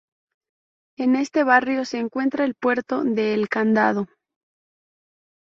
En este barrio se encuentra el puerto de El Candado.